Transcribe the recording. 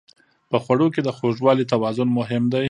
په خوړو کې د خوږوالي توازن مهم دی.